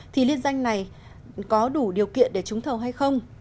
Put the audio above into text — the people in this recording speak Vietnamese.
thì liên danh này có đủ điều kiện để trúng thầu hay không